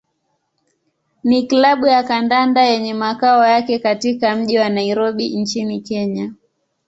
ni klabu ya kandanda yenye makao yake katika mji wa Nairobi nchini Kenya.